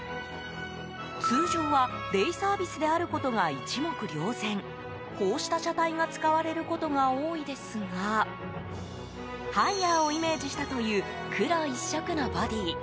通常はデイサービスであることが一目瞭然こうした車体が使われることが多いですがハイヤーをイメージしたという黒１色のボディー。